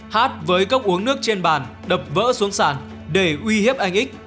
h với cốc uống nước trên bàn đập vỡ xuống sàn để uy hiếp anh x